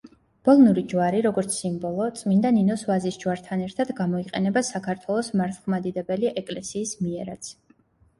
ბოლნური ჯვარი, როგორც სიმბოლო, წმინდა ნინოს ვაზის ჯვართან ერთად გამოიყენება საქართველოს მართლმადიდებელი ეკლესიის მიერაც.